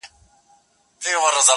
• اوښکي ساتمه ستا راتلو ته تر هغې پوري.